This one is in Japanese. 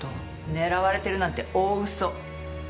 狙われてるなんて大うそ。